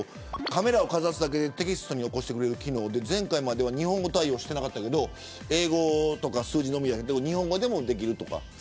カメラをかざるだけでテキストに起こしてくれる機能で前回までは日本語対応していなかったけど英語とか数字のみででも日本語でもできるとか。